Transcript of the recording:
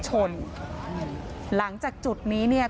โชว์บ้านในพื้นที่เขารู้สึกยังไงกับเรื่องที่เกิดขึ้น